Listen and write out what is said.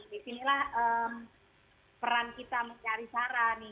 di sinilah peran kita mencari cara nih